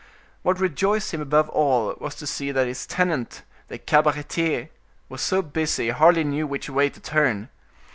What rejoiced him above all was to see that his tenant, the cabaretier, was so busy he hardly knew which way to turn.